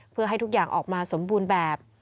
เพื่อให้ทุกอย่างออกมาสมบูรณ์แบบ